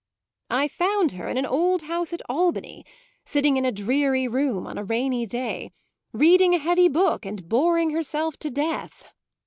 "I found her in an old house at Albany, sitting in a dreary room on a rainy day, reading a heavy book and boring herself to death.